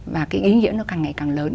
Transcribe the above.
và cái ý nghĩa nó càng ngày càng lớn